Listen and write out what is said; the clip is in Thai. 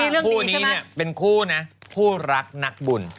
กูคู่นี้เป็นลักนักบุญ